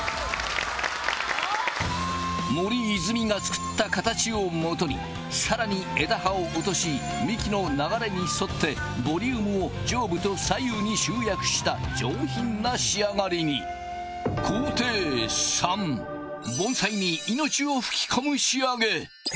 森泉が作った形を基に更に枝葉を落とし幹の流れに沿ってボリュームを上部と左右に集約した上品な仕上がりに盆栽に命を吹き込む